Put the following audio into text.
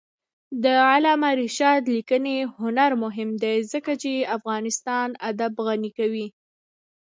د علامه رشاد لیکنی هنر مهم دی ځکه چې افغانستان ادب غني کوي.